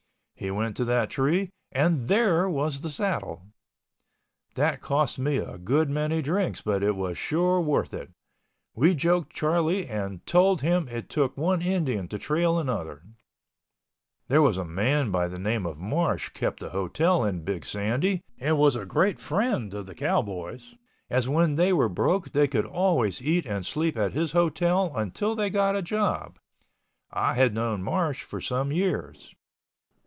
He went to that tree and there was the saddle. That cost me a good many drinks but it was sure worth it. We joked Charlie and told him it took one Indian to trail another one. There was a man by the name of Marsh kept the hotel in Big Sandy and was a great friend of the cowboys, as when they were broke they could always eat and sleep at his hotel until they got a job. I had known Marsh for some years.